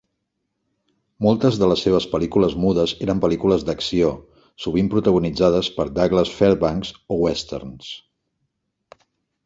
Moltes de les seves pel·lícules mudes eren pel·lícules d'acció, sovint protagonitzades per Douglas Fairbanks, o westerns.